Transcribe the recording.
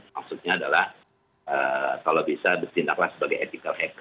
maksudnya adalah kalau bisa bertindaklah sebagai ethical hacker